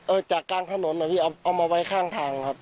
จากกลางถนนนะพี่เอามาไว้ข้างทางครับ